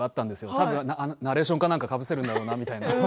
たぶんナレーションか何かかぶせるんだろうなみたいな。